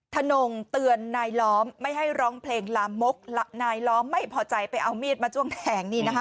ถนงเตือนนายล้อมไม่ให้ร้องเพลงลามกนายล้อมไม่พอใจไปเอามีดมาจ้วงแทง